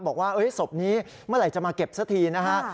บอกว่าศพนี้เมื่อไหร่จะมาเก็บสักทีนะฮะ